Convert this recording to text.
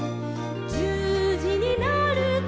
「じゅうじになると」